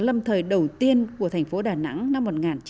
lâm thời đầu tiên của thành phố đà nẵng năm một nghìn chín trăm bốn mươi năm